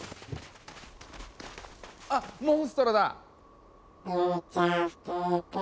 あっモンストロだ！